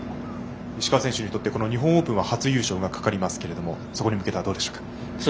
石川選手にとってこの日本オープンは初優勝がかかりますがそこに向けてはどうでしょうか。